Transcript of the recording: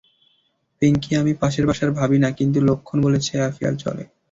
পিংকি আমি পাশের বাসার ভাবী না, কিন্তু লক্ষণ বলছে, অ্যাফেয়ার চলে।